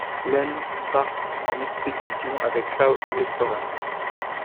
Lene part en expédition avec Claus et Soren.